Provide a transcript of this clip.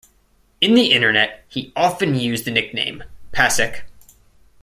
In the Internet he often used the nickname Pacek.